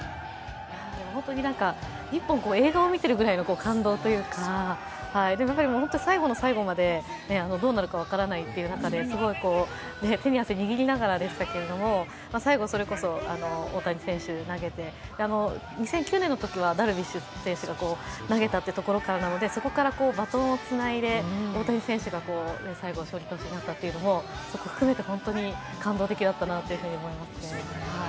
本当に１本映画を見ているような感動というか最後の最後までどうなるか分からないという中で、手に汗握りながらでしたけど、最後それこそ、大谷選手投げて、２００９年のときはダルビッシュ選手が投げたというところからなのでそこからバトンをつないで大谷選手が最後に投げたというのもそう考えると本当に感動的だったなと思いますね。